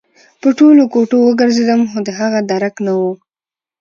په ټولو کوټو وګرځېدم خو د هغه درک نه و